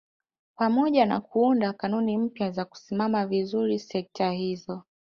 Pamoja na kuunda kanuni mpya za kusimamia vizuri sekta hizo